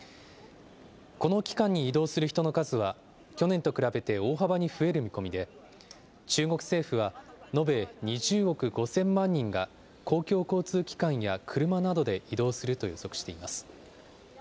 この期間に移動する人の数は、去年と比べて大幅に増える見込みで、中国政府は、延べ２０億５０００万人が、公共交通機関や車などで移動すると予測しています。